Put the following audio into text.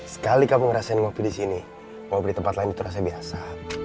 sekali kamu ngerasain kopi di sini kopi di tempat lain itu rasanya biasa